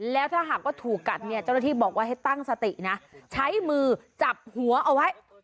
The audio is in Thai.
แล้วถ้าหากว่าถูกกัดเนี่ยเจ้าหน้าที่บอกว่าให้ตั้งสตินะใช้มือจับหัวเอาไว้